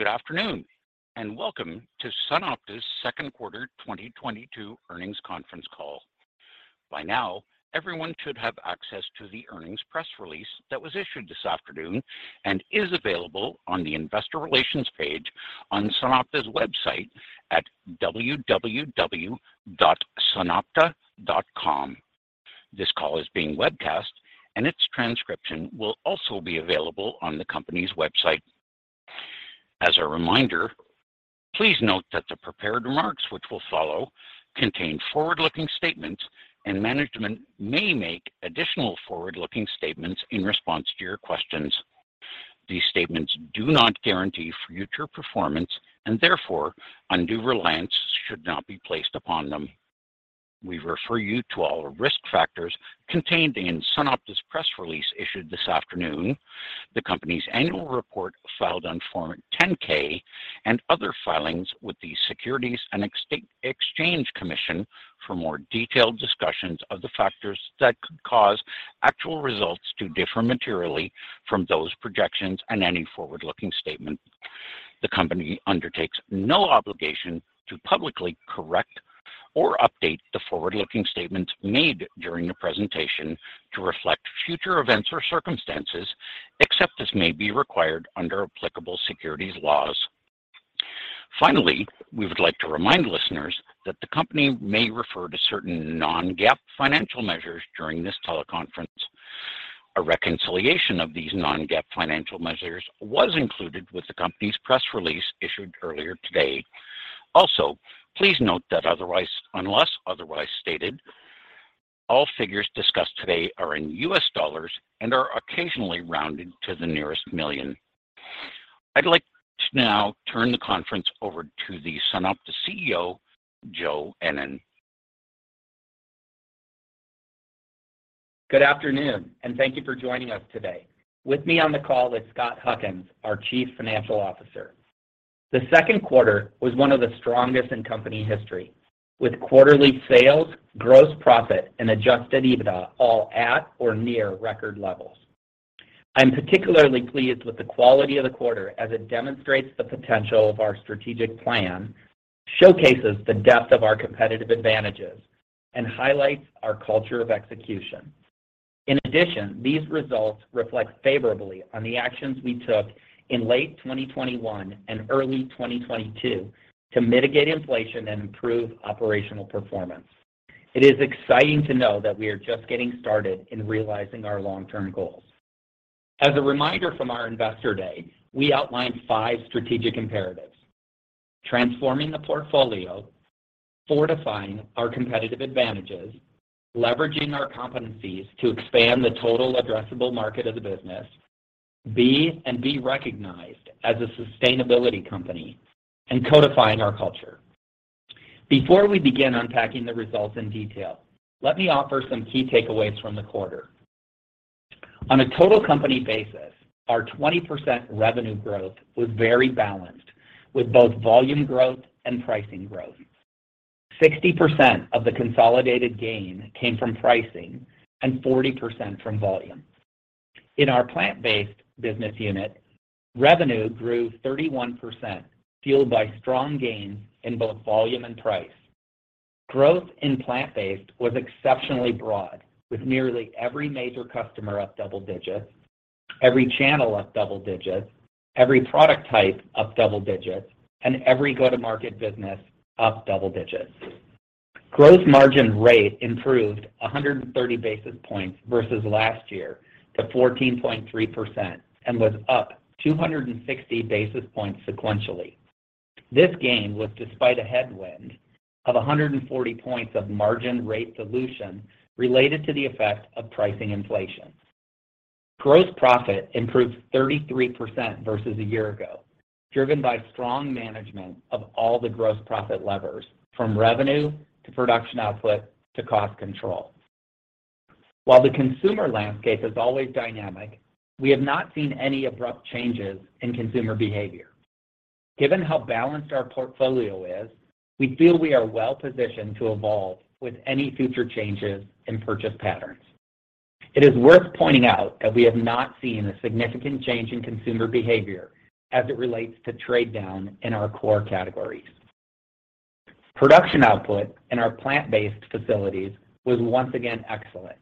Good afternoon, and welcome to SunOpta's second quarter 2022 earnings conference call. By now, everyone should have access to the earnings press release that was issued this afternoon and is available on the investor relations page on SunOpta's website at www.sunopta.com. This call is being webcast, and its transcription will also be available on the company's website. As a reminder, please note that the prepared remarks which will follow contain forward-looking statements, and management may make additional forward-looking statements in response to your questions. These statements do not guarantee future performance, and therefore undue reliance should not be placed upon them. We refer you to all risk factors contained in SunOpta's press release issued this afternoon, the company's annual report filed on Form 10-K, and other filings with the Securities and Exchange Commission for more detailed discussions of the factors that could cause actual results to differ materially from those projections and any forward-looking statement. The Company undertakes no obligation to publicly correct or update the forward-looking statements made during the presentation to reflect future events or circumstances, except as may be required under applicable securities laws. Finally, we would like to remind listeners that the company may refer to certain non-GAAP financial measures during this teleconference. A reconciliation of these non-GAAP financial measures was included with the company's press release issued earlier today. Also, please note that otherwise, unless otherwise stated, all figures discussed today are in US dollars and are occasionally rounded to the nearest million. I'd like to now turn the conference over to the SunOpta CEO, Joe Ennen. Good afternoon, and thank you for joining us today. With me on the call is Scott Huckins, our Chief Financial Officer. The second quarter was one of the strongest in company history, with quarterly sales, gross profit, and adjusted EBITDA all at or near record levels. I'm particularly pleased with the quality of the quarter as it demonstrates the potential of our strategic plan, showcases the depth of our competitive advantages, and highlights our culture of execution. In addition, these results reflect favorably on the actions we took in late 2021 and early 2022 to mitigate inflation and improve operational performance. It is exciting to know that we are just getting started in realizing our long-term goals. As a reminder from our Investor Day, we outlined five strategic imperatives: transforming the portfolio, fortifying our competitive advantages, leveraging our competencies to expand the total addressable market of the business, be and be recognized as a sustainability company, and codifying our culture. Before we begin unpacking the results in detail, let me offer some key takeaways from the quarter. On a total company basis, our 20% revenue growth was very balanced with both volume growth and pricing growth. 60% of the consolidated gain came from pricing and 40% from volume. In our plant-based business unit, revenue grew 31%, fueled by strong gains in both volume and price. Growth in plant-based was exceptionally broad, with nearly every major customer up double digits, every channel up double digits, every product type up double digits, and every go-to-market business up double digits. Gross margin rate improved 130 basis points versus last year to 14.3% and was up 260 basis points sequentially. This gain was despite a headwind of 140 points of margin rate dilution related to the effect of pricing inflation. Gross profit improved 33% versus a year ago, driven by strong management of all the gross profit levers from revenue to production output to cost control. While the consumer landscape is always dynamic, we have not seen any abrupt changes in consumer behavior. Given how balanced our portfolio is, we feel we are well positioned to evolve with any future changes in purchase patterns. It is worth pointing out that we have not seen a significant change in consumer behavior as it relates to trade down in our core categories. Production output in our plant-based facilities was once again excellent,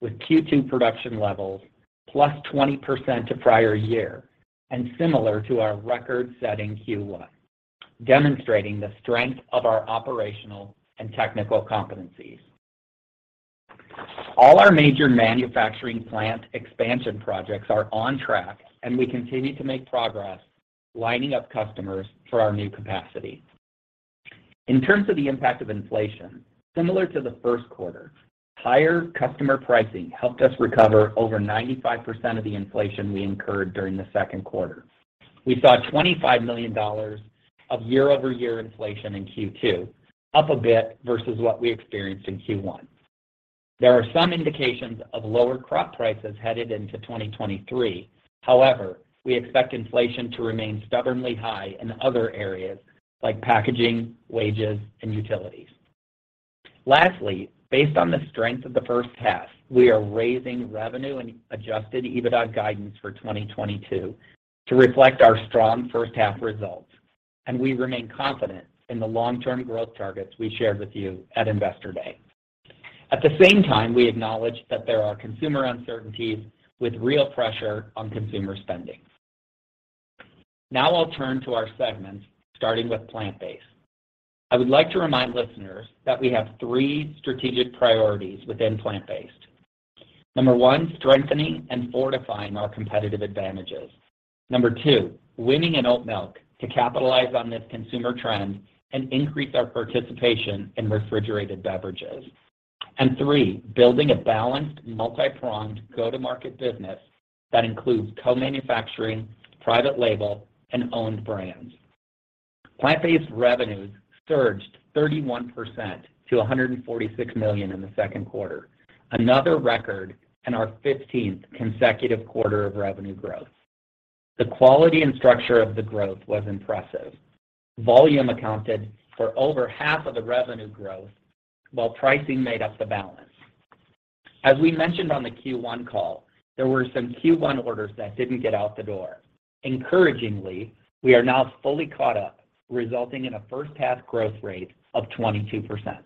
with Q2 production levels +20% to prior year and similar to our record-setting Q1, demonstrating the strength of our operational and technical competencies. All our major manufacturing plant expansion projects are on track, and we continue to make progress lining up customers for our new capacity. In terms of the impact of inflation, similar to the first quarter, higher customer pricing helped us recover over 95% of the inflation we incurred during the second quarter. We saw $25 million of year-over-year inflation in Q2, up a bit versus what we experienced in Q1. There are some indications of lower crop prices headed into 2023. However, we expect inflation to remain stubbornly high in other areas like packaging, wages, and utilities. Lastly, based on the strength of the first half, we are raising revenue and adjusted EBITDA guidance for 2022 to reflect our strong first half results, and we remain confident in the long-term growth targets we shared with you at Investor Day. At the same time, we acknowledge that there are consumer uncertainties with real pressure on consumer spending. Now I'll turn to our segments, starting with plant-based. I would like to remind listeners that we have three strategic priorities within plant-based. Number one, strengthening and fortifying our competitive advantages. Number two, winning in oat milk to capitalize on this consumer trend and increase our participation in refrigerated beverages. Three, building a balanced, multi-pronged go-to-market business that includes co-manufacturing, private label, and owned brands. Plant-based revenues surged 31% to $146 million in the second quarter, another record and our 15th consecutive quarter of revenue growth. The quality and structure of the growth was impressive. Volume accounted for over half of the revenue growth while pricing made up the balance. As we mentioned on the Q1 call, there were some Q1 orders that didn't get out the door. Encouragingly, we are now fully caught up, resulting in a first-half growth rate of 22%.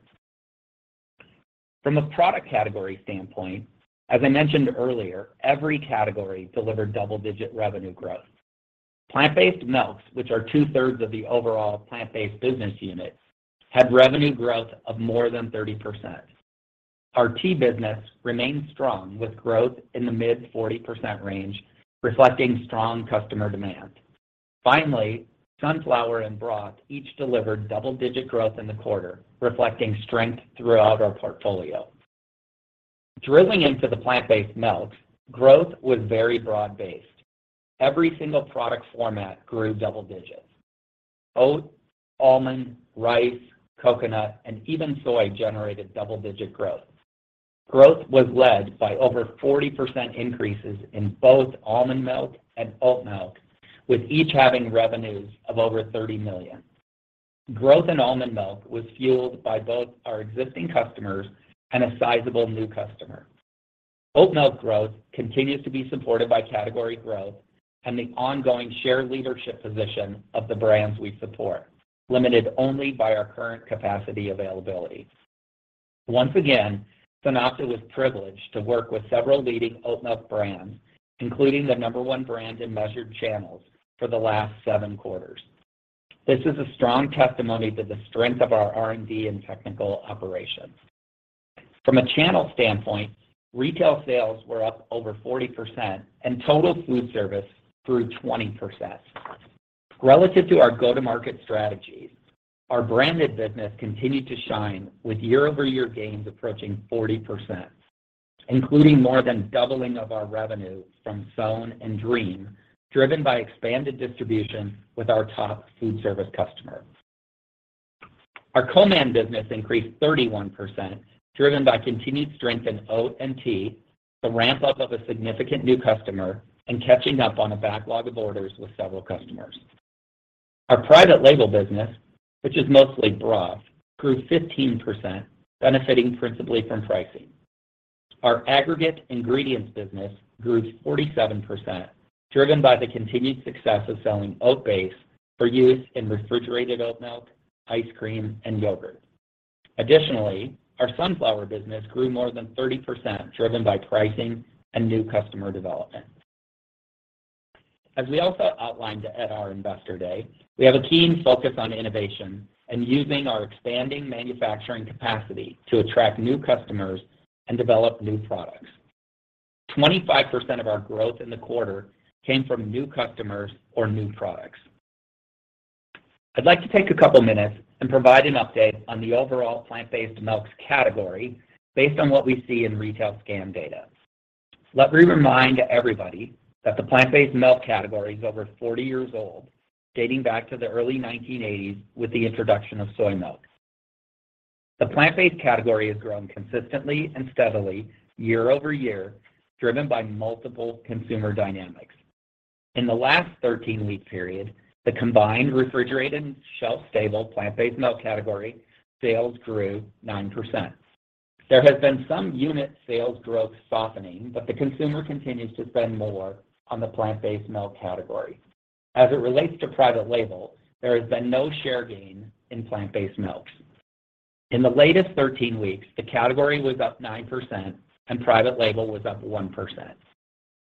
From a product category standpoint, as I mentioned earlier, every category delivered double-digit revenue growth. Plant-based milks, which are two-thirds of the overall plant-based business unit, had revenue growth of more than 30%. Our tea business remains strong with growth in the mid-40% range, reflecting strong customer demand. Finally, sunflower and broth each delivered double-digit growth in the quarter, reflecting strength throughout our portfolio. Drilling into the plant-based milks, growth was very broad-based. Every single product format grew double digits. Oat, almond, rice, coconut, and even soy generated double-digit growth. Growth was led by over 40% increases in both almond milk and oat milk, with each having revenues of over $30 million. Growth in almond milk was fueled by both our existing customers and a sizable new customer. Oat milk growth continues to be supported by category growth and the ongoing shared leadership position of the brands we support, limited only by our current capacity availability. Once again, SunOpta was privileged to work with several leading oat milk brands, including the number one brand in measured channels for the last seven quarters. This is a strong testimony to the strength of our R&D and technical operations. From a channel standpoint, retail sales were up over 40%, and total food service grew 20%. Relative to our go-to-market strategies, our branded business continued to shine with year-over-year gains approaching 40%, including more than doubling of our revenue from SOWN and Dream, driven by expanded distribution with our top food service customer. Our co-man business increased 31%, driven by continued strength in oat and tea, the ramp-up of a significant new customer, and catching up on a backlog of orders with several customers. Our private label business, which is mostly broth, grew 15%, benefiting principally from pricing. Our aggregate ingredients business grew 47%, driven by the continued success of selling oat base for use in refrigerated oat milk, ice cream, and yogurt. Additionally, our sunflower business grew more than 30%, driven by pricing and new customer development. As we also outlined at our Investor Day, we have a keen focus on innovation and using our expanding manufacturing capacity to attract new customers and develop new products. 25% of our growth in the quarter came from new customers or new products. I'd like to take a couple minutes and provide an update on the overall plant-based milks category based on what we see in retail scan data. Let me remind everybody that the plant-based milk category is over 40 years old, dating back to the early 1980s with the introduction of soy milk. The plant-based category has grown consistently and steadily year-over-year, driven by multiple consumer dynamics. In the last 13-week period, the combined refrigerated and shelf-stable plant-based milk category sales grew 9%. There has been some unit sales growth softening, but the consumer continues to spend more on the plant-based milk category. As it relates to private label, there has been no share gain in plant-based milks. In the latest 13 weeks, the category was up 9% and private label was up 1%.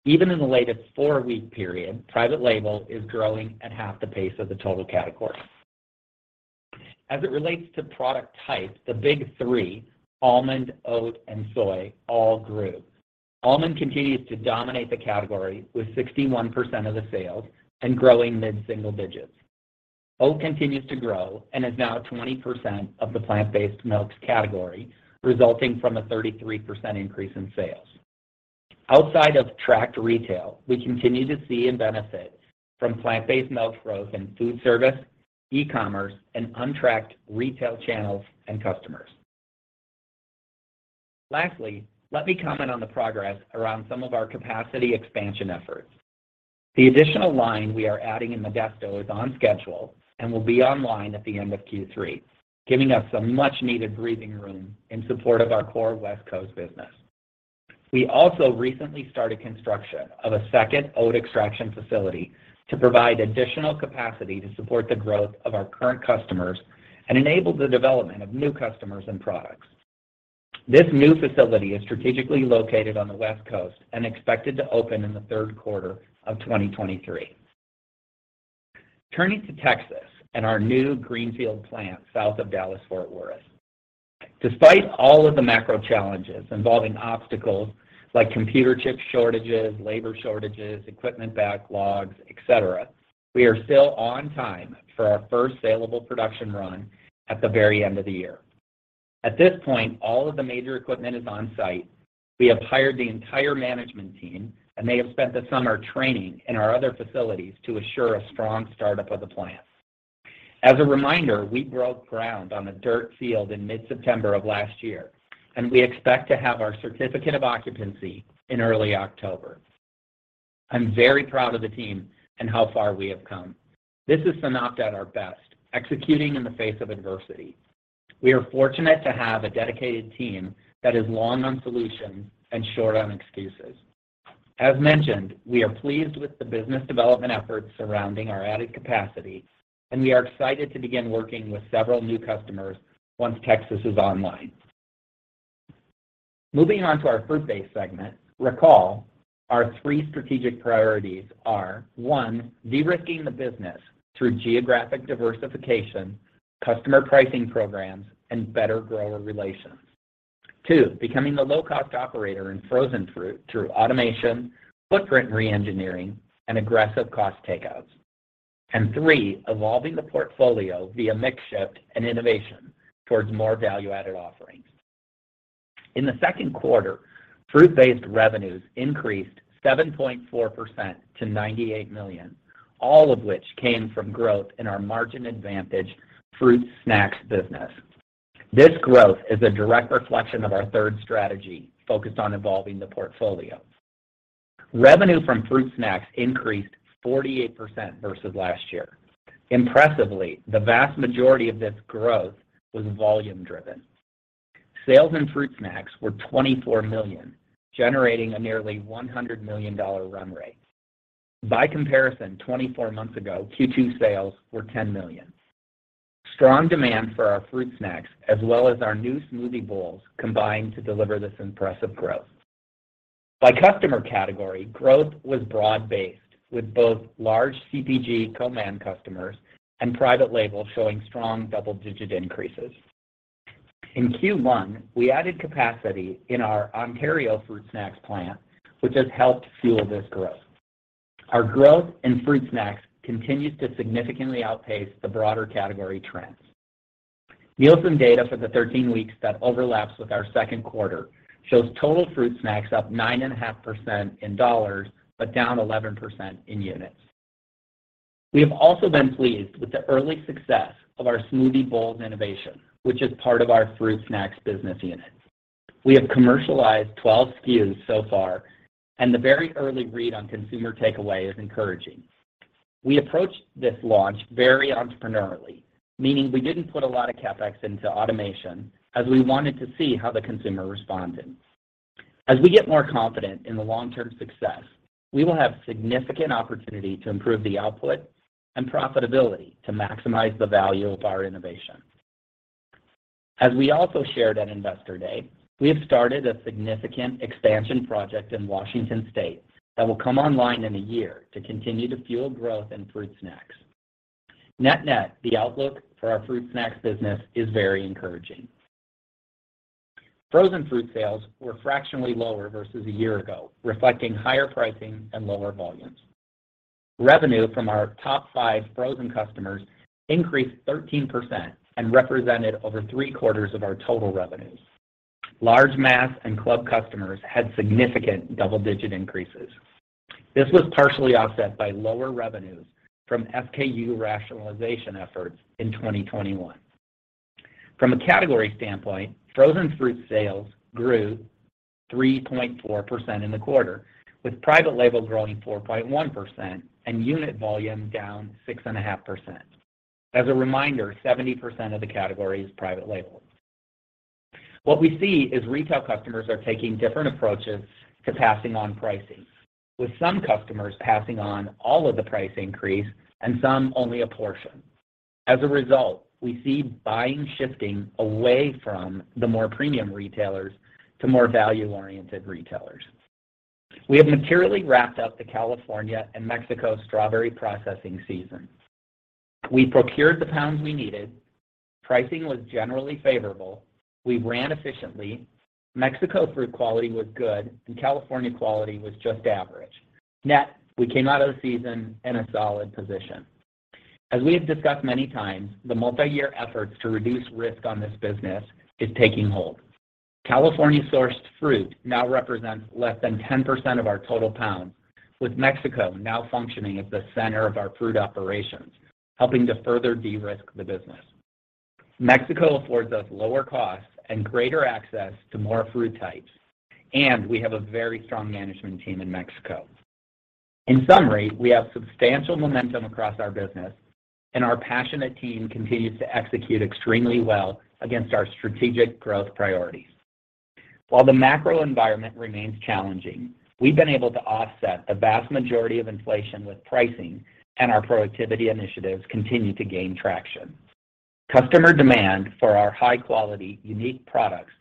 Even in the latest four-week period, private label is growing at half the pace of the total category. As it relates to product type, the big three, almond, oat, and soy, all grew. Almond continues to dominate the category with 61% of the sales and growing mid-single digits. Oat continues to grow and is now 20% of the plant-based milks category, resulting from a 33% increase in sales. Outside of tracked retail, we continue to see and benefit from plant-based milk growth in food service, e-commerce, and untracked retail channels and customers. Lastly, let me comment on the progress around some of our capacity expansion efforts. The additional line we are adding in Modesto is on schedule and will be online at the end of Q3, giving us some much-needed breathing room in support of our core West Coast business. We also recently started construction of a second oat extraction facility to provide additional capacity to support the growth of our current customers and enable the development of new customers and products. This new facility is strategically located on the West Coast and expected to open in the third quarter of 2023. Turning to Texas and our new greenfield plant south of Dallas-Fort Worth. Despite all of the macro challenges involving obstacles like computer chip shortages, labor shortages, equipment backlogs, et cetera, we are still on time for our first salable production run at the very end of the year. At this point, all of the major equipment is on site. We have hired the entire management team, and they have spent the summer training in our other facilities to assure a strong start-up of the plant. As a reminder, we broke ground on a dirt field in mid-September of last year, and we expect to have our certificate of occupancy in early October. I'm very proud of the team and how far we have come. This is SunOpta at our best, executing in the face of adversity. We are fortunate to have a dedicated team that is long on solutions and short on excuses. As mentioned, we are pleased with the business development efforts surrounding our added capacity, and we are excited to begin working with several new customers once Texas is online. Moving on to our fruit-based segment, recall our three strategic priorities are, one, de-risking the business through geographic diversification, customer pricing programs, and better grower relations. Two, becoming the low-cost operator in frozen fruit through automation, footprint reengineering, and aggressive cost takeouts. Three, evolving the portfolio via mix shift and innovation towards more value-added offerings. In the second quarter, fruit-based revenues increased 7.4% to $98 million, all of which came from growth in our margin advantage fruit snacks business. This growth is a direct reflection of our third strategy focused on evolving the portfolio. Revenue from fruit snacks increased 48% versus last year. Impressively, the vast majority of this growth was volume-driven. Sales in fruit snacks were $24 million, generating a nearly $100 million run rate. By comparison, 24 months ago, Q2 sales were $10 million. Strong demand for our fruit snacks as well as our new smoothie bowls combined to deliver this impressive growth. By customer category, growth was broad-based, with both large CPG command customers and private labels showing strong double-digit increases. In Q1, we added capacity in our Ontario fruit snacks plant, which has helped fuel this growth. Our growth in fruit snacks continues to significantly outpace the broader category trends. Nielsen data for the 13 weeks that overlaps with our second quarter shows total fruit snacks up 9.5% in dollars, but down 11% in units. We have also been pleased with the early success of our smoothie bowls innovation, which is part of our fruit snacks business unit. We have commercialized 12 SKUs so far, and the very early read on consumer takeaway is encouraging. We approached this launch very entrepreneurially, meaning we didn't put a lot of CapEx into automation as we wanted to see how the consumer responded. As we get more confident in the long-term success, we will have significant opportunity to improve the output and profitability to maximize the value of our innovation. As we also shared at Investor Day, we have started a significant expansion project in Washington State that will come online in a year to continue to fuel growth in fruit snacks. Net net, the outlook for our fruit snacks business is very encouraging. Frozen fruit sales were fractionally lower versus a year ago, reflecting higher pricing and lower volumes. Revenue from our top five frozen customers increased 13% and represented over three-quarters of our total revenues. Large mass and club customers had significant double-digit increases. This was partially offset by lower revenues from SKU rationalization efforts in 2021. From a category standpoint, frozen fruit sales grew 3.4% in the quarter, with private label growing 4.1% and unit volume down 6.5%. As a reminder, 70% of the category is private label. What we see is retail customers are taking different approaches to passing on pricing, with some customers passing on all of the price increase and some only a portion. As a result, we see buying shifting away from the more premium retailers to more value-oriented retailers. We have materially wrapped up the California and Mexico strawberry processing season. We procured the pounds we needed. Pricing was generally favorable. We ran efficiently. Mexico fruit quality was good, and California quality was just average. Net, we came out of the season in a solid position. As we have discussed many times, the multiyear efforts to reduce risk on this business is taking hold. California-sourced fruit now represents less than 10% of our total pounds. With Mexico now functioning as the center of our fruit operations, helping to further de-risk the business. Mexico affords us lower costs and greater access to more fruit types, and we have a very strong management team in Mexico. In summary, we have substantial momentum across our business, and our passionate team continues to execute extremely well against our strategic growth priorities. While the macro environment remains challenging, we've been able to offset the vast majority of inflation with pricing, and our productivity initiatives continue to gain traction. Customer demand for our high-quality, unique products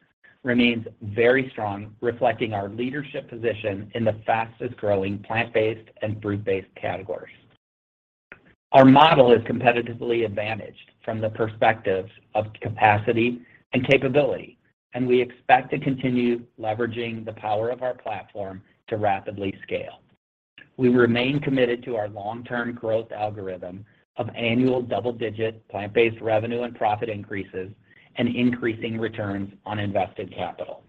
remains very strong, reflecting our leadership position in the fastest-growing plant-based and fruit-based categories. Our model is competitively advantaged from the perspectives of capacity and capability, and we expect to continue leveraging the power of our platform to rapidly scale. We remain committed to our long-term growth algorithm of annual double-digit plant-based revenue and profit increases and increasing returns on invested capital.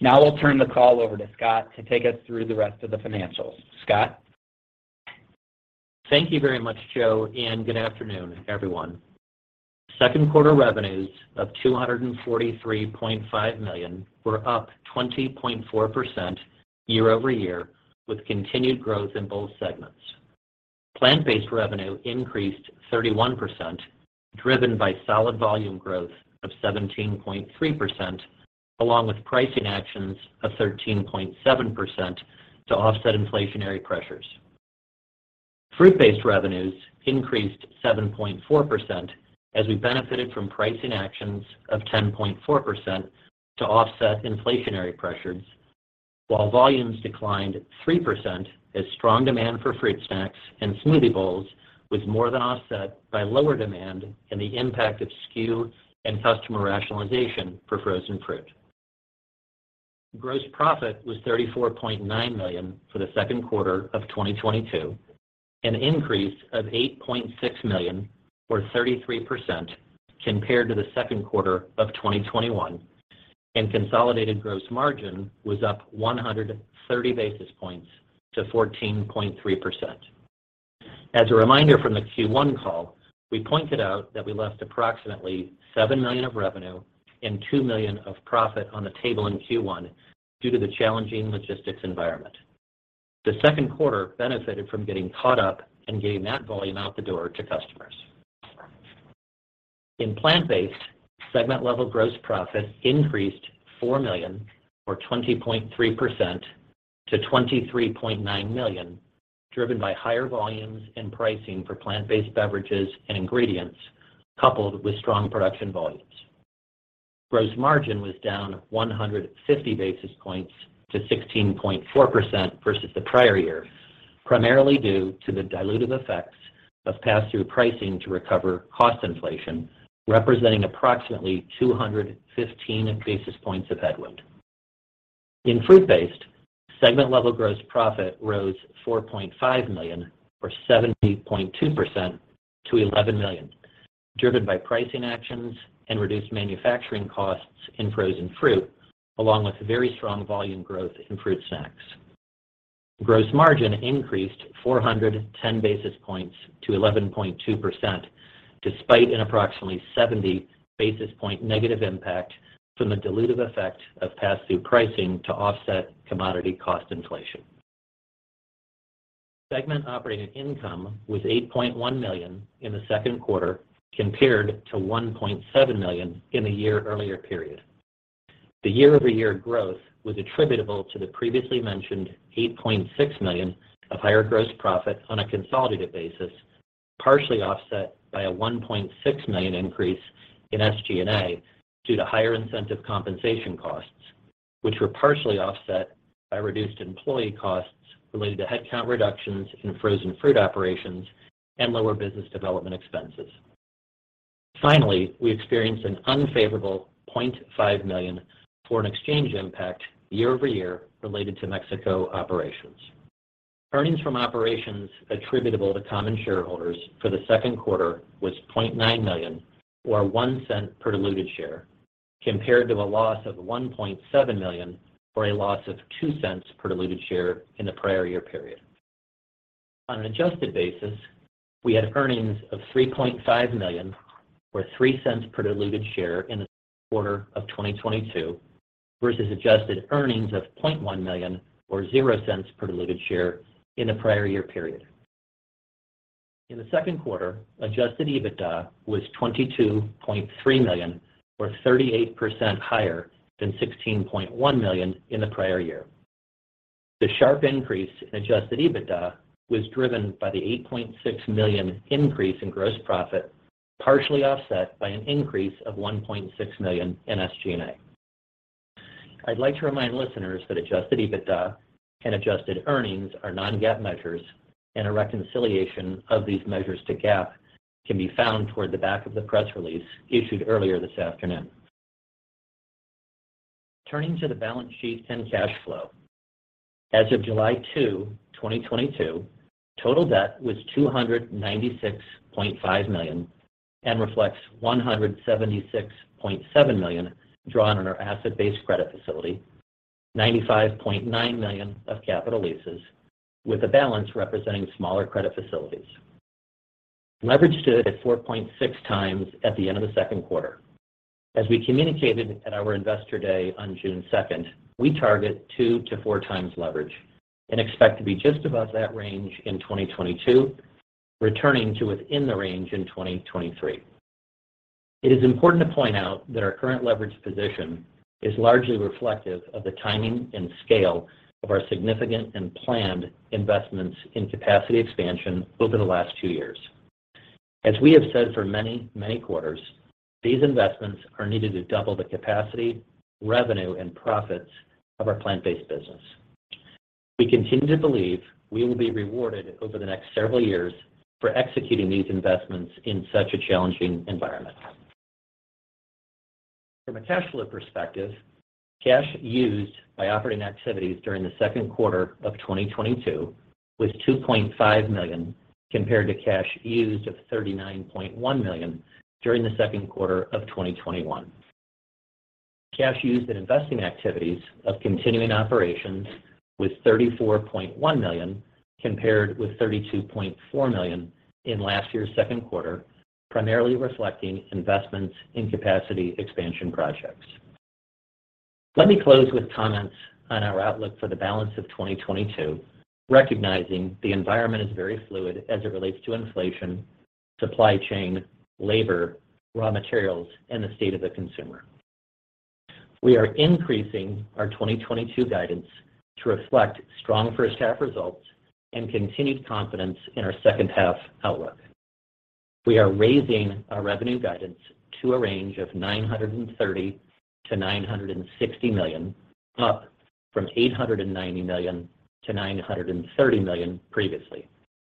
Now I'll turn the call over to Scott to take us through the rest of the financials. Scott? Thank you very much, Joe, and good afternoon, everyone. Second quarter revenues of $243.5 million were up 20.4% year-over-year, with continued growth in both segments. Plant-based revenue increased 31%, driven by solid volume growth of 17.3%, along with pricing actions of 13.7% to offset inflationary pressures. Fruit-based revenues increased 7.4% as we benefited from pricing actions of 10.4% to offset inflationary pressures. While volumes declined 3% as strong demand for fruit snacks and smoothie bowls was more than offset by lower demand and the impact of SKU and customer rationalization for frozen fruit. Gross profit was $34.9 million for the second quarter of 2022, an increase of $8.6 million or 33% compared to the second quarter of 2021, and consolidated gross margin was up 130 basis points to 14.3%. As a reminder from the Q1 call, we pointed out that we left approximately $7 million of revenue and $2 million of profit on the table in Q1 due to the challenging logistics environment. The second quarter benefited from getting caught up and getting that volume out the door to customers. In plant-based, segment-level gross profit increased $4 million or 20.3% to $23.9 million, driven by higher volumes and pricing for plant-based beverages and ingredients, coupled with strong production volumes. Gross margin was down 150 basis points to 16.4% versus the prior year, primarily due to the dilutive effects of passthrough pricing to recover cost inflation, representing approximately 215 basis points of headwind. In fruit-based, segment-level gross profit rose $4.5 million or 70.2% to $11 million, driven by pricing actions and reduced manufacturing costs in frozen fruit, along with very strong volume growth in fruit snacks. Gross margin increased 410 basis points to 11.2%, despite an approximately 70 basis point negative impact from the dilutive effect of passthrough pricing to offset commodity cost inflation. Segment operating income was $8.1 million in the second quarter compared to $1.7 million in the year earlier period. The year-over-year growth was attributable to the previously mentioned $8.6 million of higher gross profit on a consolidated basis, partially offset by a $1.6 million increase in SG&A due to higher incentive compensation costs, which were partially offset by reduced employee costs related to headcount reductions in frozen fruit operations and lower business development expenses. Finally, we experienced an unfavorable $0.5 million foreign exchange impact year-over-year related to Mexico operations. Earnings from operations attributable to common shareholders for the second quarter was $0.9 million or $0.01 per diluted share, compared to a loss of $1.7 million or a loss of $0.02 per diluted share in the prior year period. On an adjusted basis, we had earnings of $3.5 million or $0.03 per diluted share in the quarter of 2022 versus adjusted earnings of $0.1 million or $0.00 per diluted share in the prior year period. In the second quarter, adjusted EBITDA was $22.3 million or 38% higher than $16.1 million in the prior year. The sharp increase in adjusted EBITDA was driven by the $8.6 million increase in gross profit, partially offset by an increase of $1.6 million in SG&A. I'd like to remind listeners that adjusted EBITDA and adjusted earnings are non-GAAP measures, and a reconciliation of these measures to GAAP can be found toward the back of the press release issued earlier this afternoon. Turning to the balance sheet and cash flow. As of July 2, 2022, total debt was $296.5 million and reflects $176.7 million drawn on our asset-based credit facility, $95.9 million of capital leases with a balance representing smaller credit facilities. Leverage stood at 4.6x at the end of the second quarter. As we communicated at our Investor Day on June 2, we target 2-4x leverage and expect to be just above that range in 2022, returning to within the range in 2023. It is important to point out that our current leverage position is largely reflective of the timing and scale of our significant and planned investments in capacity expansion over the last two years. As we have said for many, many quarters, these investments are needed to double the capacity, revenue, and profits of our plant-based business. We continue to believe we will be rewarded over the next several years for executing these investments in such a challenging environment. From a cash flow perspective, cash used by operating activities during the second quarter of 2022 was $2.5 million, compared to cash used of $39.1 million during the second quarter of 2021. Cash used in investing activities of continuing operations was $34.1 million, compared with $32.4 million in last year's second quarter, primarily reflecting investments in capacity expansion projects. Let me close with comments on our outlook for the balance of 2022, recognizing the environment is very fluid as it relates to inflation, supply chain, labor, raw materials, and the state of the consumer. We are increasing our 2022 guidance to reflect strong first half results and continued confidence in our second half outlook. We are raising our revenue guidance to a range of $930 million-$960 million, up from $890 million-$930 million previously,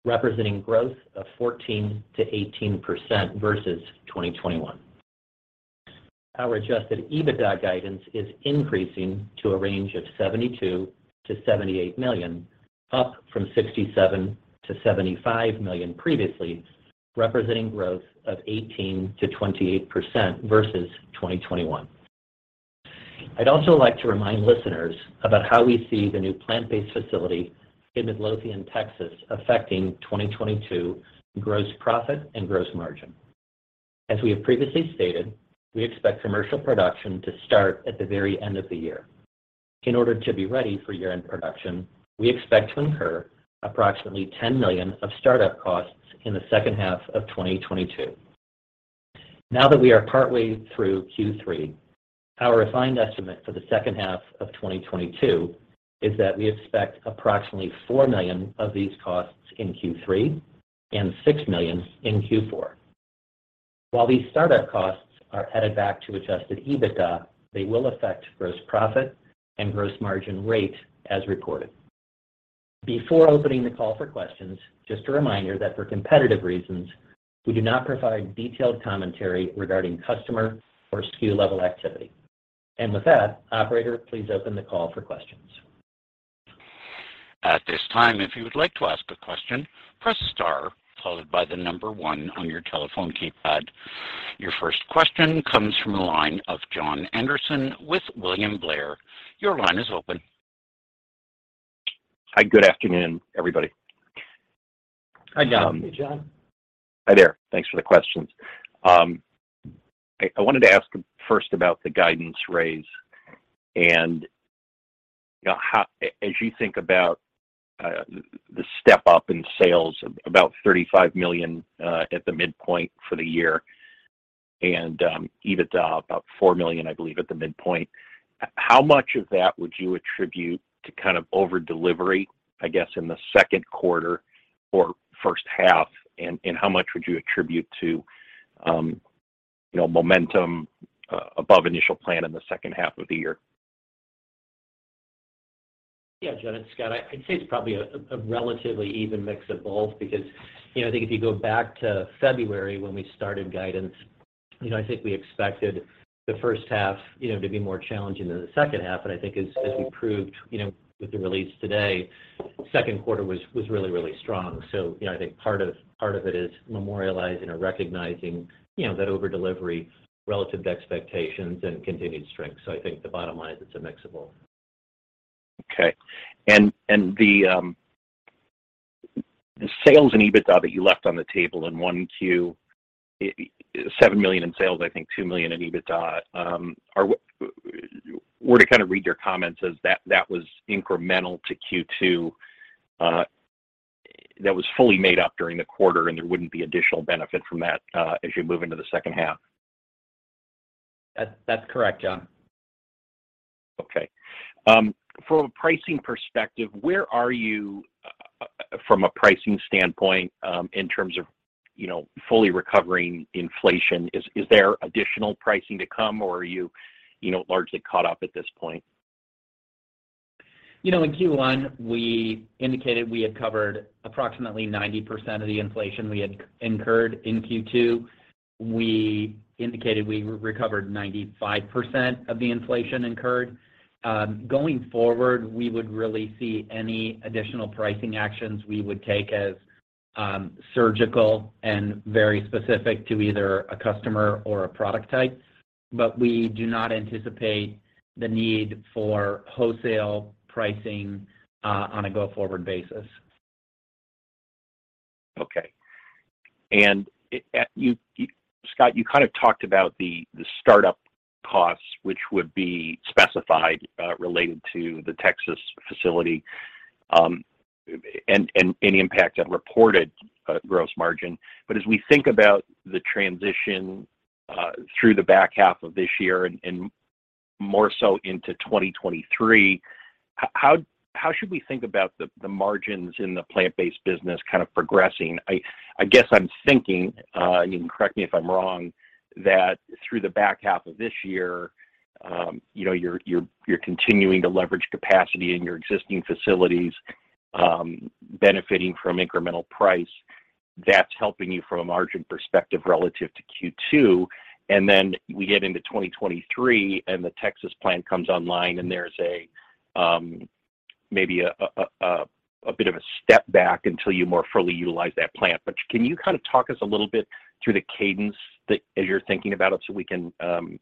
representing growth of 14%-18% versus 2021. Our adjusted EBITDA guidance is increasing to a range of $72 million-$78 million, up from $67 million-$75 million previously, representing growth of 18%-28% versus 2021. I'd also like to remind listeners about how we see the new plant-based facility in Midlothian, Texas, affecting 2022 gross profit and gross margin. We have previously stated, we expect commercial production to start at the very end of the year. In order to be ready for year-end production, we expect to incur approximately $10 million of startup costs in the second half of 2022. Now that we are partway through Q3, our refined estimate for the second half of 2022 is that we expect approximately $4 million of these costs in Q3 and $6 million in Q4. While these startup costs are added back to adjusted EBITDA, they will affect gross profit and gross margin rate as reported. Before opening the call for questions, just a reminder that for competitive reasons, we do not provide detailed commentary regarding customer or SKU level activity. With that, operator, please open the call for questions. At this time, if you would like to ask a question, press star followed by the number one on your telephone keypad. Your first question comes from the line of Jon Andersen with William Blair. Your line is open. Hi, good afternoon, everybody. Hi, Jon. Hey, Jon. Hi there. Thanks for the questions. I wanted to ask first about the guidance raise and, you know, how, as you think about the step up in sales, about $35 million, at the midpoint for the year and EBITDA about $4 million, I believe, at the midpoint. How much of that would you attribute to kind of over-delivery, I guess, in the second quarter or first half? How much would you attribute to, you know, momentum above initial plan in the second half of the year? Yeah. Jon, it's Scott. I'd say it's probably a relatively even mix of both because, you know, I think if you go back to February when we started guidance, you know, I think we expected the first half, you know, to be more challenging than the second half. I think as we proved, you know, with the release today, second quarter was really strong. You know, I think part of it is memorializing or recognizing, you know, that over-delivery relative to expectations and continued strength. I think the bottom line is it's a mix of both. Okay. The sales and EBITDA that you left on the table in 1Q, $7 million in sales, I think $2 million in EBITDA, are we to kind of read your comments as that was incremental to Q2? That was fully made up during the quarter, and there wouldn't be additional benefit from that as you move into the second half. That, that's correct, Jon. Okay. From a pricing perspective, where are you from a pricing standpoint, in terms of, you know, fully recovering inflation? Is there additional pricing to come or are you know, largely caught up at this point? You know, in Q1, we indicated we had covered approximately 90% of the inflation we had incurred. In Q2, we indicated we recovered 95% of the inflation incurred. Going forward, we would really see any additional pricing actions we would take as surgical and very specific to either a customer or a product type. We do not anticipate the need for wholesale pricing, on a go-forward basis. Okay. Scott, you kind of talked about the startup costs, which would be specified related to the Texas facility, and any impact on reported gross margin. As we think about the transition through the back half of this year and more so into 2023, how should we think about the margins in the plant-based business kind of progressing? I guess I'm thinking, and you can correct me if I'm wrong, that through the back half of this year, you know, you're continuing to leverage capacity in your existing facilities, benefiting from incremental price that's helping you from a margin perspective relative to Q2. We get into 2023, and the Texas plant comes online, and there's maybe a bit of a step back until you more fully utilize that plant. Can you kind of talk us a little bit through the cadence that as you're thinking about it, so we can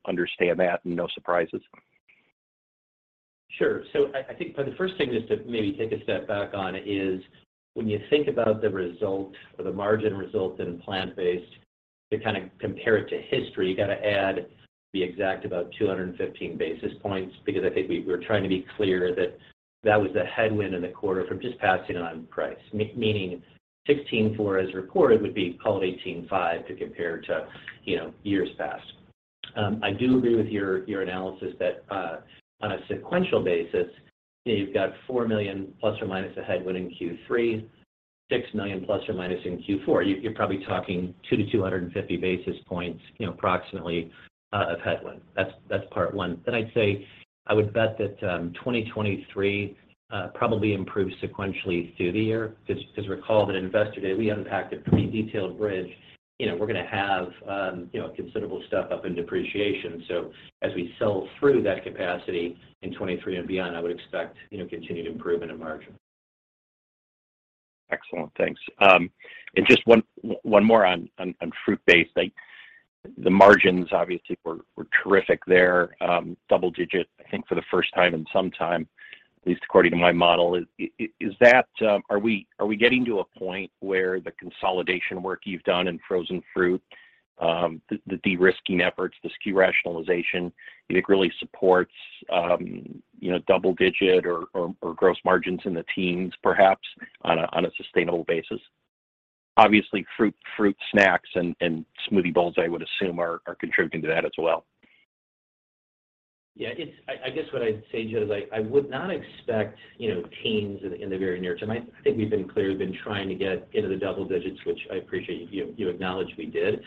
understand that and no surprises? Sure. The first thing just to maybe take a step back on is when you think about the result or the margin result in plant-based, to kind of compare it to history, you got to add exactly about 215 basis points because I think we're trying to be clear that that was a headwind in the quarter from just passing on price. Meaning 16.4 as reported would be call it 18.5 to compare to, you know, years past. I do agree with your analysis that, on a sequential basis, you've got $4 million ± a headwind in Q3, $6 million ± in Q4. You're probably talking 200-250 basis points, you know, approximately, of headwind. That's part one. I'd say I would bet that, 2023, probably improves sequentially through the year 'cause recall that at Investor Day we unpacked a pretty detailed bridge. You know, we're gonna have, you know, considerable step-up in depreciation. So as we sell through that capacity in 2023 and beyond, I would expect, you know, continued improvement in margin. Excellent. Thanks. Just one more on fruit-based. Like, the margins obviously were terrific there, double-digit I think for the first time in some time, at least according to my model. Is that? Are we getting to a point where the consolidation work you've done in frozen fruit, the de-risking efforts, the SKU rationalization, it really supports, you know, double-digit or gross margins in the teens perhaps on a sustainable basis? Obviously, fruit snacks and smoothie bowls I would assume are contributing to that as well. Yeah. It's. I guess what I'd say, Joe, is I would not expect, you know, teens in the very near term. I think we've been clear we've been trying to get into the double digits, which I appreciate you acknowledged we did.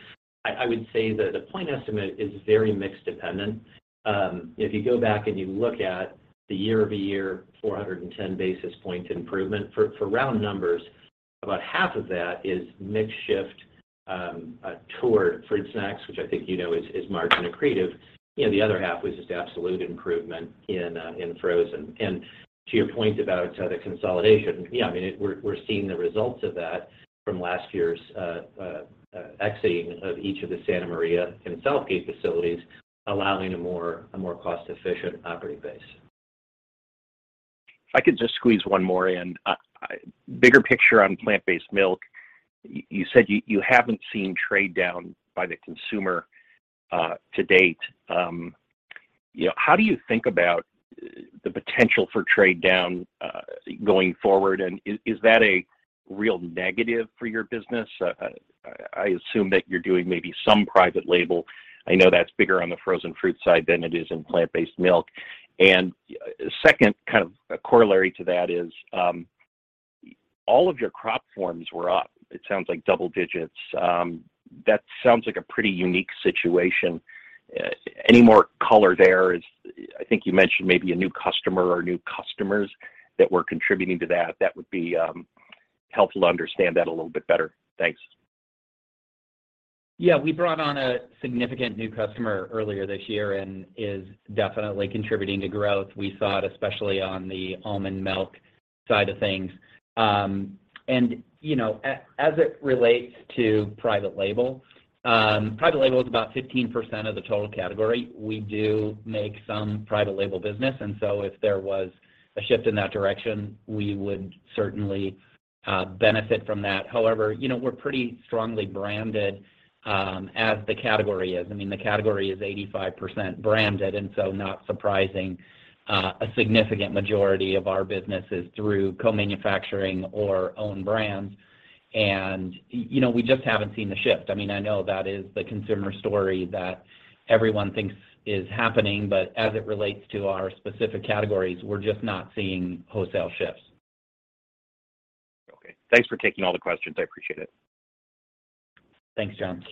I would say that the point estimate is very mix dependent. If you go back and you look at the year-over-year 410 basis points improvement, for round numbers, about half of that is mix shift toward fruit snacks, which I think you know is margin accretive. You know, the other half was just absolute improvement in frozen. To your point about the consolidation, yeah, I mean, it, we're seeing the results of that from last year's exiting of each of the Santa Maria and Southgate facilities, allowing a more cost-efficient operating base. If I could just squeeze one more in. Bigger picture on plant-based milk. You said you haven't seen trade down by the consumer, to date. You know, how do you think about the potential for trade down, going forward? Is that a real negative for your business? I assume that you're doing maybe some private label. I know that's bigger on the frozen fruit side than it is in plant-based milk. Second, kind of a corollary to that is, all of your crop forms were up, it sounds like double digits. That sounds like a pretty unique situation. Any more color. I think you mentioned maybe a new customer or new customers that were contributing to that. That would be helpful to understand that a little bit better. Thanks. Yeah. We brought on a significant new customer earlier this year and is definitely contributing to growth. We saw it especially on the almond milk side of things. You know, as it relates to private label, private label is about 15% of the total category. We do make some private label business, and so if there was a shift in that direction, we would certainly benefit from that. However, you know, we're pretty strongly branded, as the category is. I mean, the category is 85% branded, and so not surprising, a significant majority of our business is through co-manufacturing or own brands. You know, we just haven't seen the shift. I mean, I know that is the consumer story that everyone thinks is happening, but as it relates to our specific categories, we're just not seeing wholesale shifts. Okay. Thanks for taking all the questions. I appreciate it. Thanks, Jon.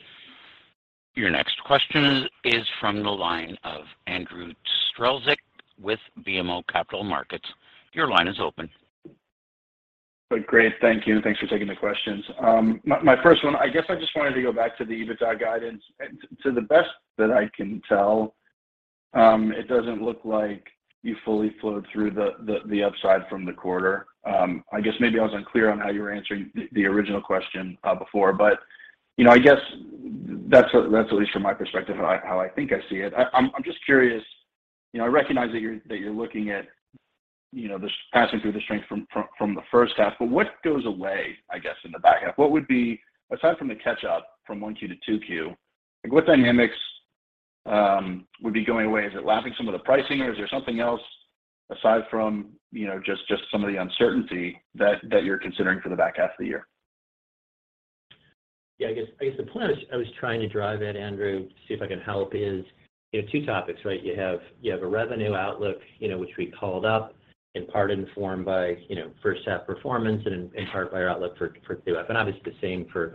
Your next question is from the line of Andrew Strelzik with BMO Capital Markets. Your line is open. Great. Thank you, and thanks for taking the questions. My first one, I guess I just wanted to go back to the EBITDA guidance. To the best that I can tell, it doesn't look like you fully flowed through the upside from the quarter. I guess maybe I was unclear on how you were answering the original question before, but, you know, I guess that's at least from my perspective how I think I see it. I'm just curious, you know, I recognize that you're looking at, you know, this passing through the strength from the first half, but what goes away, I guess, in the back half? What would be aside from the catch-up from 1Q to 2Q, like what dynamics would be going away? Is it lapping some of the pricing or is there something else aside from, you know, just some of the uncertainty that you're considering for the back half of the year? Yeah, I guess the point I was trying to drive at, Andrew, to see if I can help is, you know, two topics, right? You have a revenue outlook, you know, which we called out in part informed by, you know, first half performance and in part by our outlook for H2. Obviously the same for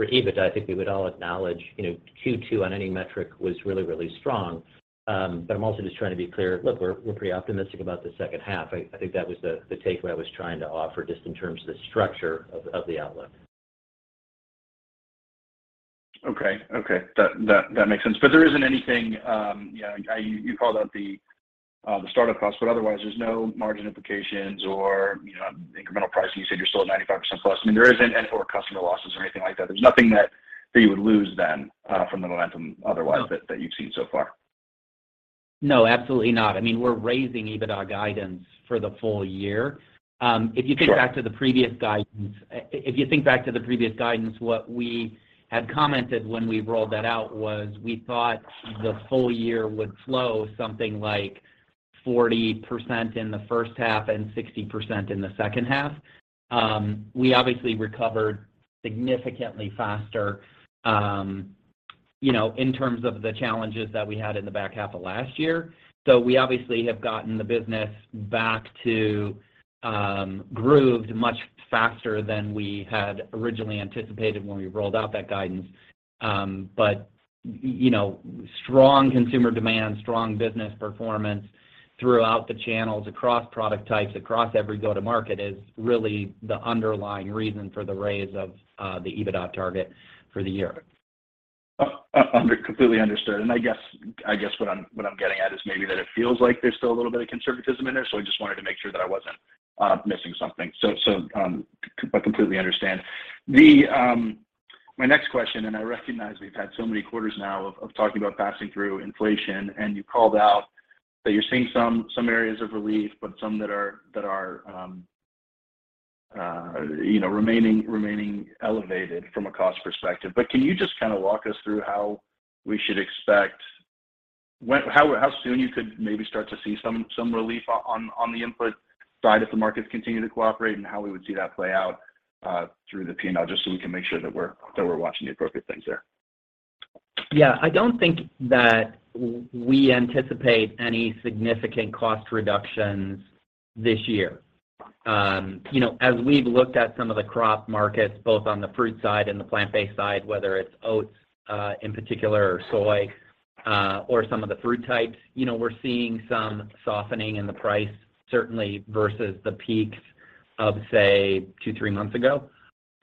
EBITDA. I think we would all acknowledge, you know, Q2 on any metric was really, really strong. But I'm also just trying to be clear, look, we're pretty optimistic about the second half. I think that was the takeaway I was trying to offer just in terms of the structure of the outlook. Okay. That makes sense. There isn't anything, you know, you called out the startup costs, but otherwise there's no margin implications or, you know, incremental pricing. You said you're still at 95% plus. I mean, there isn't and/or customer losses or anything like that. There's nothing that you would lose then from the momentum otherwise. No that you've seen so far. No, absolutely not. I mean, we're raising EBITDA guidance for the full year. Sure If you think back to the previous guidance, what we had commented when we rolled that out was we thought the full year would flow something like 40% in the first half and 60% in the second half. We obviously recovered significantly faster, you know, in terms of the challenges that we had in the back half of last year. We obviously have gotten the business back to grooved much faster than we had originally anticipated when we rolled out that guidance. You know, strong consumer demand, strong business performance throughout the channels, across product types, across every go-to-market is really the underlying reason for the raise of the EBITDA target for the year. Completely understood and I guess what I'm getting at is maybe that it feels like there's still a little bit of conservatism in there, so I just wanted to make sure that I wasn't missing something. I completely understand. My next question, and I recognize we've had so many quarters now of talking about passing through inflation, and you called out that you're seeing some areas of relief, but some that are you know remaining elevated from a cost perspective. Can you just kind of walk us through how we should expect how soon you could maybe start to see some relief on the input side if the markets continue to cooperate and how we would see that play out through the P&L, just so we can make sure that we're watching the appropriate things there? Yeah. I don't think that we anticipate any significant cost reductions this year. You know, as we've looked at some of the crop markets, both on the fruit side and the plant-based side, whether it's oats in particular, or soy, or some of the fruit types, you know, we're seeing some softening in the price certainly versus the peaks of say, two, three months ago.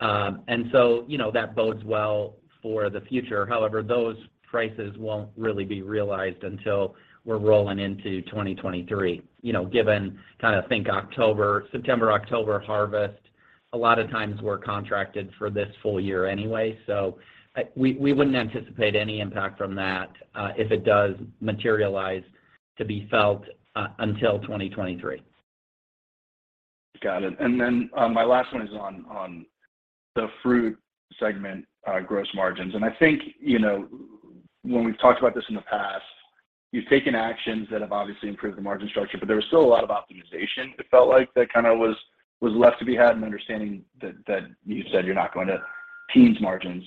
You know, that bodes well for the future. However, those prices won't really be realized until we're rolling into 2023. You know, given September-October harvest, a lot of times we're contracted for this full year anyway, so we wouldn't anticipate any impact from that if it does materialize to be felt until 2023. Got it. My last one is on the fruit segment, gross margins. I think, you know, when we've talked about this in the past, you've taken actions that have obviously improved the margin structure, but there was still a lot of optimization, it felt like, that kind of was left to be had and understanding that you said you're not going to teens margins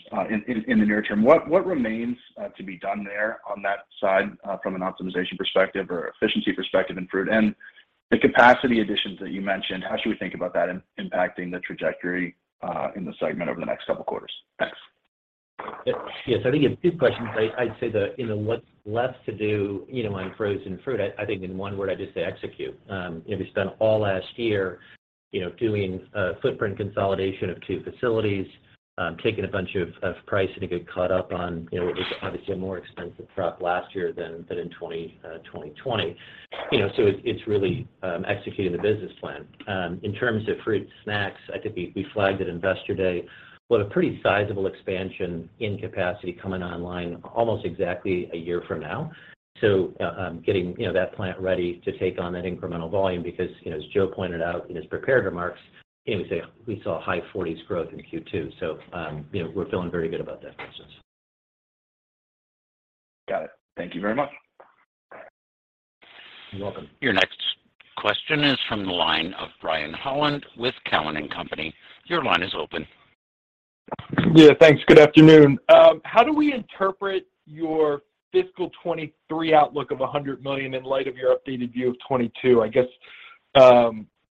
in the near term. What remains to be done there on that side from an optimization perspective or efficiency perspective in fruit? The capacity additions that you mentioned, how should we think about that impacting the trajectory in the segment over the next couple quarters? Thanks. Yes. I think it's two questions. I'd say, you know, what's left to do, you know, on frozen fruit, I think in one word I'd just say execute. You know, we spent all last year, you know, doing footprint consolidation of two facilities, taking a bunch of pricing to get caught up on, you know, it was obviously a more expensive crop last year than in 2020. You know, so it's really executing the business plan. In terms of fruit snacks, I think we flagged at Investor Day what a pretty sizable expansion in capacity coming online almost exactly a year from now. Getting, you know, that plant ready to take on that incremental volume because, you know, as Joe pointed out in his prepared remarks, you know, we saw high 40s% growth in Q2. You know, we're feeling very good about that business. Got it. Thank you very much. You're welcome. Your next question is from the line of Brian Holland with Cowen and Company. Your line is open. Yeah, thanks. Good afternoon. How do we interpret your fiscal 2023 outlook of $100 million in light of your updated view of 2022? I guess,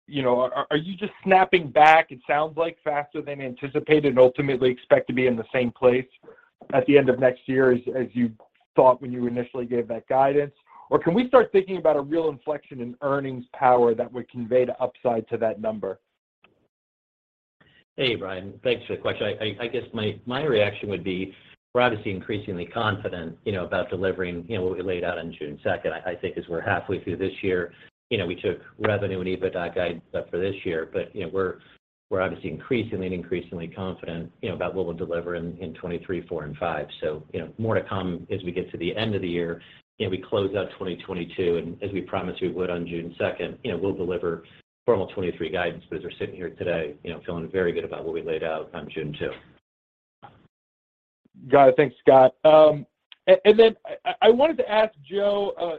you know, are you just snapping back it sounds like faster than anticipated and ultimately expect to be in the same place at the end of next year as you thought when you initially gave that guidance? Or can we start thinking about a real inflection in earnings power that would convey the upside to that number? Hey, Brian. Thanks for the question. I guess my reaction would be we're obviously increasingly confident, you know, about delivering, you know, what we laid out on June 2. I think as we're halfway through this year, you know, we took revenue and EBITDA guide but for this year. You know, we're obviously increasingly confident, you know, about what we'll deliver in 2023, 2024 and 2025. You know, more to come as we get to the end of the year and we close out 2022. As we promised we would on June 2, you know, we'll deliver formal 2023 guidance. As we're sitting here today, you know, feeling very good about what we laid out on June 2. Got it. Thanks, Scott. I wanted to ask Joe,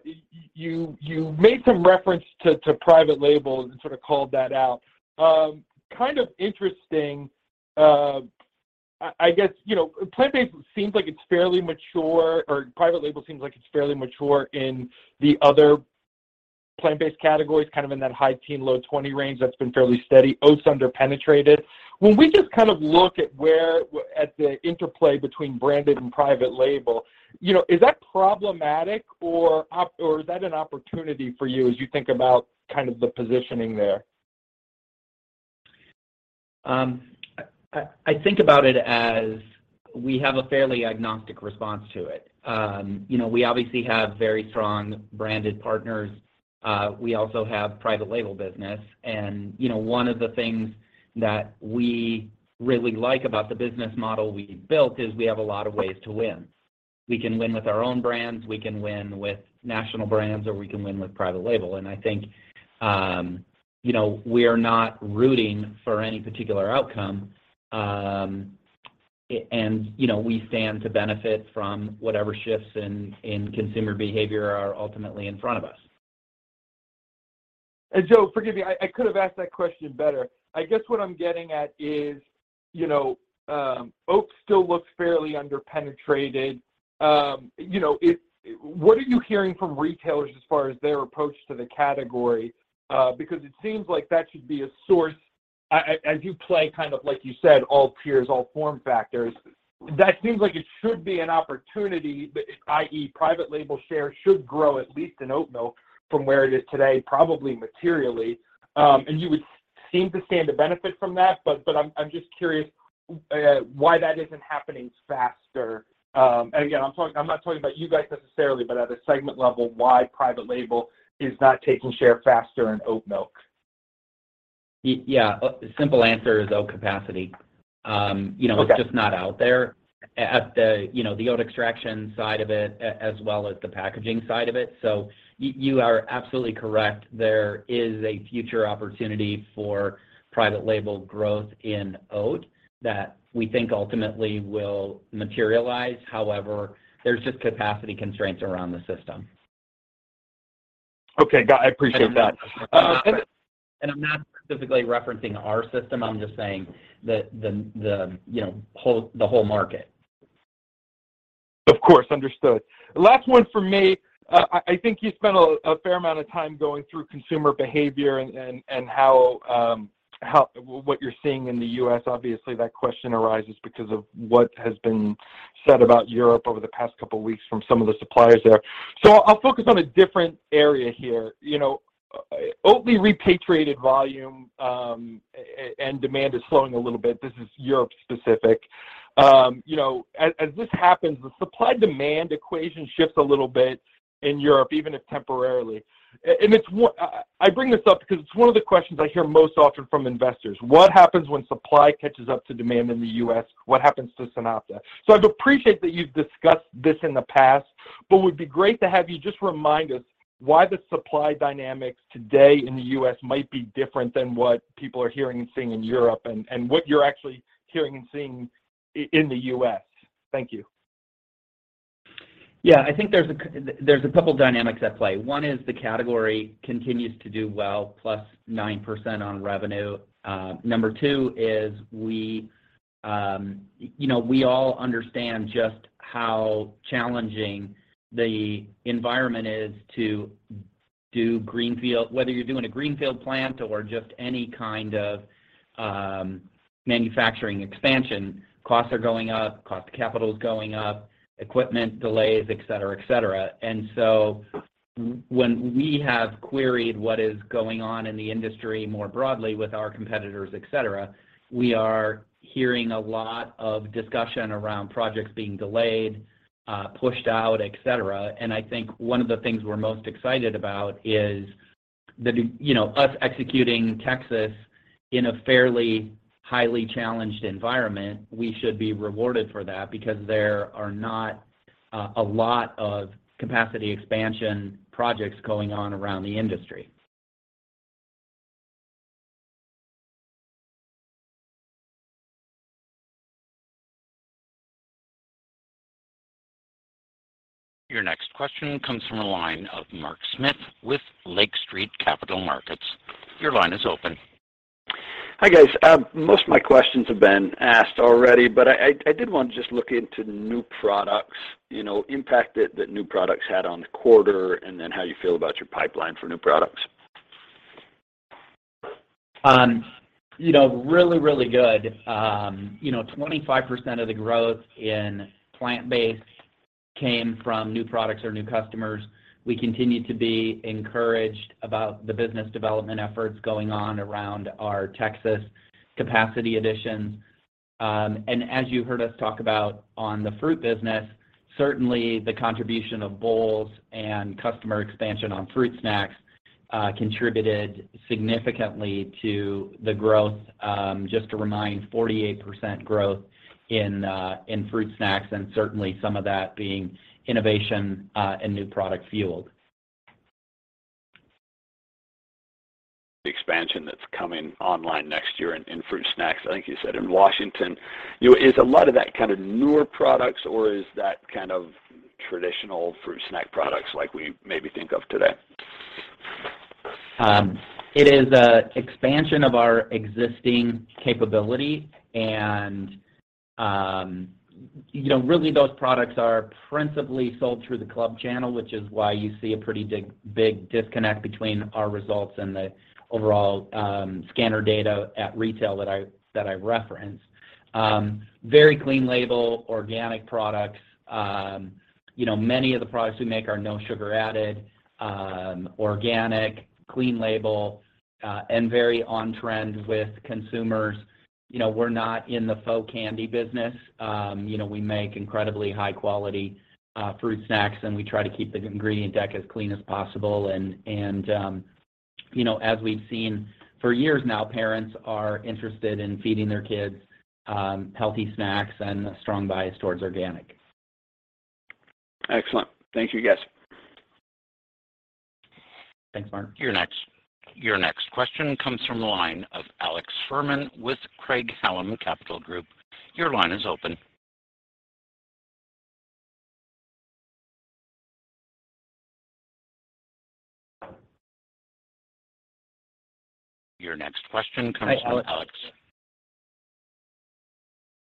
you made some reference to private labels and sort of called that out. Kind of interesting, I guess, you know, plant-based seems like it's fairly mature or private label seems like it's fairly mature in the other plant-based categories, kind of in that high-teens, low-20s range that's been fairly steady. Oats underpenetrated. When we just kind of look at the interplay between branded and private label, you know, is that problematic or is that an opportunity for you as you think about kind of the positioning there? I think about it as we have a fairly agnostic response to it. You know, we obviously have very strong branded partners. We also have private label business and, you know, one of the things that we really like about the business model we built is we have a lot of ways to win. We can win with our own brands, we can win with national brands, or we can win with private label. I think, you know, we are not rooting for any particular outcome. You know, we stand to benefit from whatever shifts in consumer behavior are ultimately in front of us. Joe, forgive me, I could have asked that question better. I guess what I'm getting at is, you know, oats still looks fairly under penetrated. You know, what are you hearing from retailers as far as their approach to the category? Because it seems like that should be a source as you play kind of like you said, all tiers, all form factors, that seems like it should be an opportunity, but i.e. private label share should grow at least in oat milk from where it is today, probably materially. You would seem to stand to benefit from that. I'm just curious, why that isn't happening faster. Again, I'm not talking about you guys necessarily, but at a segment level, why private label is not taking share faster in oat milk. Yeah. Simple answer is oat capacity. Okay It's just not out there at the, you know, the oat extraction side of it as well as the packaging side of it. You are absolutely correct, there is a future opportunity for private label growth in oat that we think ultimately will materialize. However, there's just capacity constraints around the system. Okay, got it. I appreciate that. I'm not specifically referencing our system. I'm just saying the, you know, whole market. Of course. Understood. Last one from me. I think you spent a fair amount of time going through consumer behavior and what you're seeing in the U.S. Obviously that question arises because of what has been said about Europe over the past couple weeks from some of the suppliers there. I'll focus on a different area here. Oatly repatriated volume and demand is slowing a little bit. This is Europe specific. As this happens, the supply demand equation shifts a little bit in Europe, even if temporarily. I bring this up because it's one of the questions I hear most often from investors. What happens when supply catches up to demand in the U.S.? What happens to SunOpta? I'd appreciate that you've discussed this in the past, but would be great to have you just remind us why the supply dynamics today in the U.S. might be different than what people are hearing and seeing in Europe and what you're actually hearing and seeing in the U.S. Thank you. Yeah. I think there's a couple dynamics at play. One is the category continues to do well, +9% on revenue. Number two is we, you know, we all understand just how challenging the environment is to do greenfield. Whether you're doing a greenfield plant or just any kind of manufacturing expansion, costs are going up, cost of capital is going up, equipment delays, et cetera, et cetera. When we have queried what is going on in the industry more broadly with our competitors, et cetera, we are hearing a lot of discussion around projects being delayed, pushed out, et cetera. I think one of the things we're most excited about is, you know, us executing there, as in a fairly highly challenged environment. We should be rewarded for that because there are not a lot of capacity expansion projects going on around the industry. Your next question comes from the line of Mark Smith with Lake Street Capital Markets. Your line is open. Hi guys. Most of my questions have been asked already, but I did want to just look into new products, you know, impact that new products had on the quarter, and then how you feel about your pipeline for new products. You know, really good. You know, 25% of the growth in plant-based came from new products or new customers. We continue to be encouraged about the business development efforts going on around our Texas capacity additions. As you heard us talk about on the fruit business, certainly the contribution of bowls and customer expansion on fruit snacks contributed significantly to the growth. Just to remind, 48% growth in fruit snacks, and certainly some of that being innovation and new product fueled. The expansion that's coming online next year in fruit snacks, I think you said in Washington, you know, is a lot of that kind of newer products, or is that kind of traditional fruit snack products like we maybe think of today? It is an expansion of our existing capability and, you know, really those products are principally sold through the club channel, which is why you see a pretty big disconnect between our results and the overall scanner data at retail that I referenced. Very clean label, organic products. You know, many of the products we make are no sugar added, organic, clean label, and very on trend with consumers. You know, we're not in the faux candy business. You know, we make incredibly high quality fruit snacks, and we try to keep the ingredient deck as clean as possible and, you know, as we've seen for years now, parents are interested in feeding their kids healthy snacks and a strong bias towards organic. Excellent. Thank you, guys. Thanks, Mark. Your next question comes from the line of Alex Fuhrman with Craig-Hallum Capital Group. Your line is open. Your next question comes from Alex.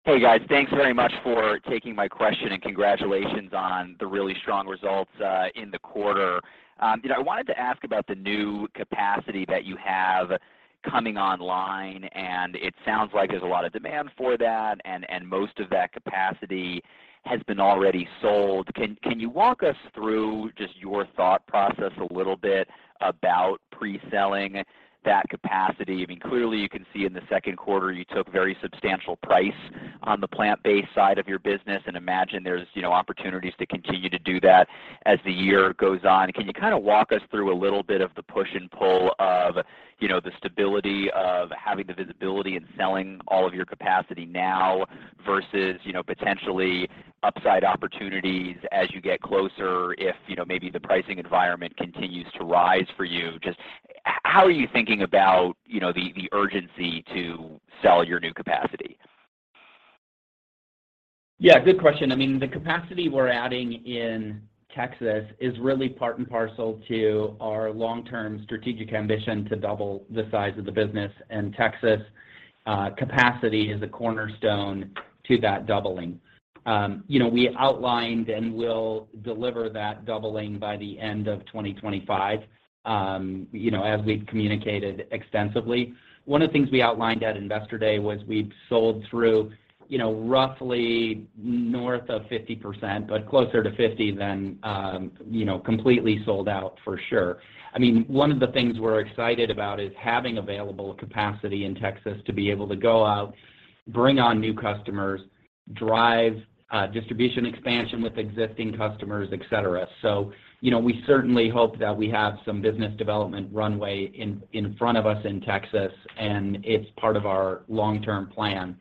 Hey, guys. Thanks very much for taking my question, and congratulations on the really strong results in the quarter. You know, I wanted to ask about the new capacity that you have coming online, and it sounds like there's a lot of demand for that and most of that capacity has been already sold. Can you walk us through just your thought process a little bit about pre-selling that capacity? I mean, clearly you can see in the second quarter you took very substantial price on the plant-based side of your business and imagine there's opportunities to continue to do that as the year goes on. Can you kind of walk us through a little bit of the push and pull of, you know, the stability of having the visibility and selling all of your capacity now versus, you know, potentially upside opportunities as you get closer if, you know, maybe the pricing environment continues to rise for you? Just how are you thinking about, you know, the urgency to sell your new capacity? Yeah, good question. I mean, the capacity we're adding in Texas is really part and parcel to our long-term strategic ambition to double the size of the business, and Texas capacity is a cornerstone to that doubling. You know, we outlined and will deliver that doubling by the end of 2025, you know, as we've communicated extensively. One of the things we outlined at Investor Day was we'd sold through, you know, roughly north of 50%, but closer to 50 than, you know, completely sold out for sure. I mean, one of the things we're excited about is having available capacity in Texas to be able to go out, bring on new customers, drive distribution expansion with existing customers, et cetera. You know, we certainly hope that we have some business development runway in front of us in Texas, and it's part of our long-term plan.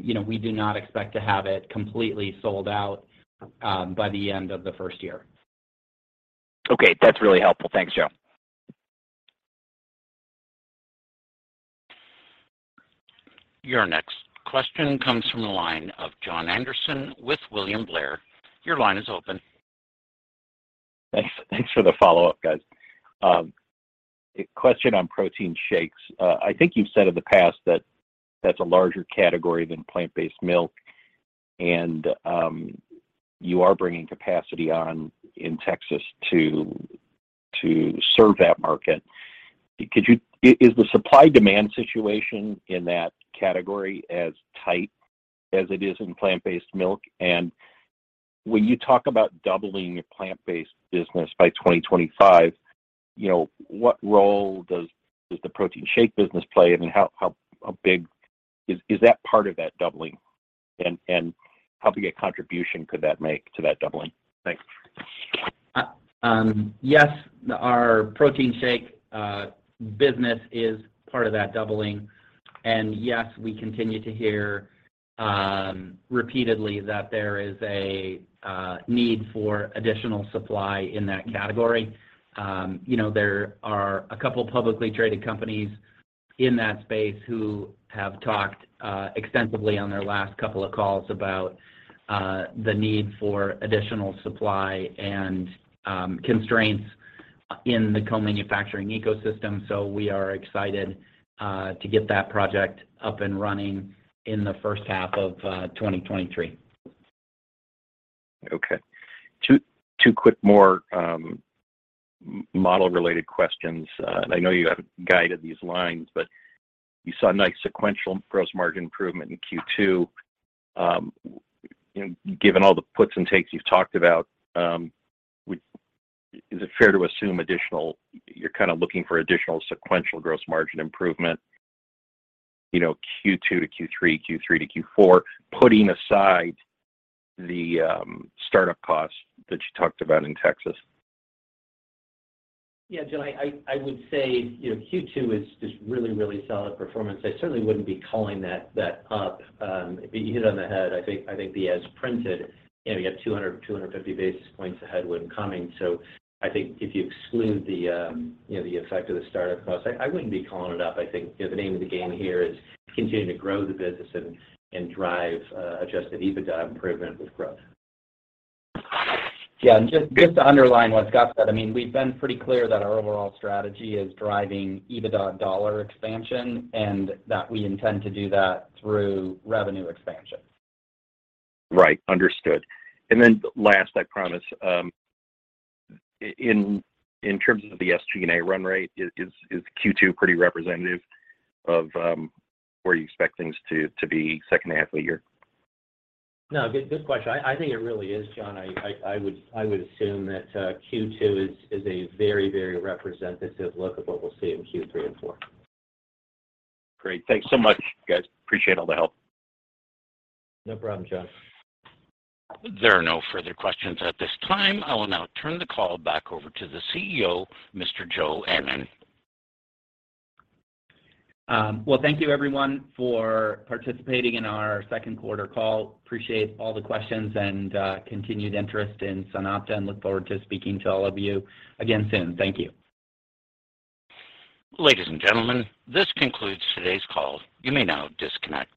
You know, we do not expect to have it completely sold out by the end of the first year. Okay. That's really helpful. Thanks, Joe. Your next question comes from the line of Jon Andersen with William Blair. Your line is open. Thanks for the follow-up, guys. A question on protein shakes. I think you've said in the past that that's a larger category than plant-based milk and you are bringing capacity on in Texas to serve that market. Is the supply-demand situation in that category as tight as it is in plant-based milk? When you talk about doubling your plant-based business by 2025, you know, what role does the protein shake business play and how big is that part of that doubling and how big a contribution could that make to that doubling? Thanks. Yes, our protein shake business is part of that doubling. Yes, we continue to hear repeatedly that there is a need for additional supply in that category. You know, there are a couple publicly traded companies in that space who have talked extensively on their last couple of calls about the need for additional supply and constraints in the co-manufacturing ecosystem. We are excited to get that project up and running in the first half of 2023. Two more quick model related questions. I know you have guided these lines, but you saw nice sequential gross margin improvement in Q2. Given all the puts and takes you've talked about, is it fair to assume you're kind of looking for additional sequential gross margin improvement, you know, Q2 to Q3 to Q4, putting aside the startup costs that you talked about in Texas? Yeah. Jon, I would say, you know, Q2 is really solid performance. I certainly wouldn't be calling that up. You hit the nail on the head. I think the as printed, you know, we got 250 basis points of headwind coming. I think if you exclude the, you know, the effect of the startup cost, I wouldn't be calling it up. I think, you know, the name of the game here is to continue to grow the business and drive adjusted EBITDA improvement with growth. Yeah. Just to underline what Scott said, I mean, we've been pretty clear that our overall strategy is driving EBITDA dollar expansion, and that we intend to do that through revenue expansion. Right. Understood. Last, I promise. In terms of the SG&A run rate, is Q2 pretty representative of where you expect things to be second half of the year? No. Good question. I think it really is, Jon. I would assume that Q2 is a very representative look of what we'll see in Q3 and Q4. Great. Thanks so much, guys. Appreciate all the help. No problem, Jon. There are no further questions at this time. I will now turn the call back over to the CEO, Mr. Joe Ennen. Well, thank you everyone for participating in our second quarter call. Appreciate all the questions and continued interest in SunOpta and look forward to speaking to all of you again soon. Thank you. Ladies and gentlemen, this concludes today's call. You may now disconnect.